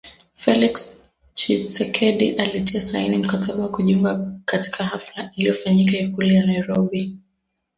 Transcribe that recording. Felix Tshisekedi alitia saini mkataba wa kujiunga katika hafla iliyofanyika Ikulu ya Nairobi